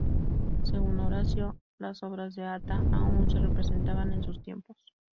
Según Horacio, las obras de Ata aún se representaban en sus tiempos.